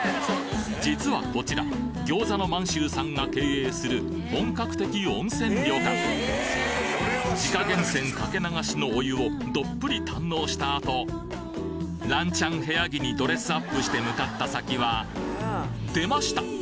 実はこちらぎょうざの満洲さんが経営する本格的温泉旅館自家源泉かけ流しのお湯をどっぷり堪能した後ランちゃん部屋着にドレスアップして向かった先は出ました！